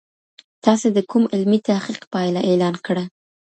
تاسي د کوم علمي تحقيق پايله اعلان کړه؟